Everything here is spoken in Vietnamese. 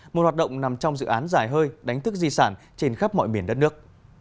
một hoạt động nằm trong dự án dài hơi đánh thức di sản trên khắp mọi miền đất nước